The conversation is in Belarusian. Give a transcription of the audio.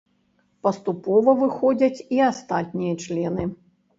Паступова выходзяць і астатнія члены.